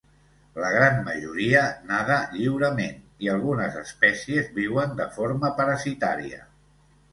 La gran majoria nada lliurement i algunes espècies viuen de forma parasitària.